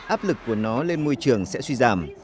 áp lực của nó lên môi trường sẽ suy giảm